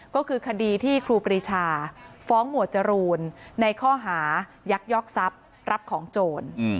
ก็คือคดีที่ครูปรีชาฟ้องหมวดจรูนในข้อหายักยอกทรัพย์รับของโจร